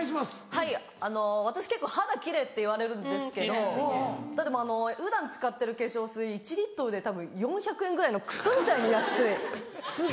はいあの私結構肌奇麗って言われるんですけどでも普段使ってる化粧水１でたぶん４００円ぐらいのクソみたいに安い。